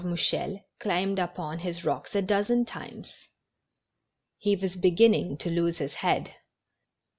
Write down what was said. Mouchel climbed up on his rock a dozen times. He was beginning to lose his head.